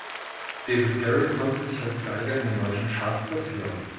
David Garrett konnte sich als Geiger in den deutschen Charts platzieren.